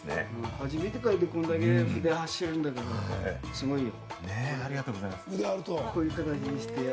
初めてで、これだけ筆走るんだから、すごいよ。